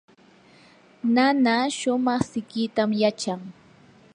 nana shumaq siqitam yachan.